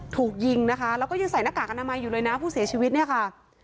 ถูกยิงนะคะแล้วก็ยังใส่หน้ากากอนามัยอยู่เลยนะผู้เสียชีวิตเนี่ยค่ะ